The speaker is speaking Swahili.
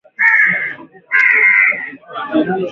hatari ya kuambukizwa